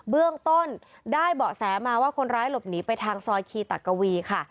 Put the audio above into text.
เบื้องต้นได้เบาะแสมาว่าคนร้ายหลบหนีไปทางซอยคีตักกวีค่ะ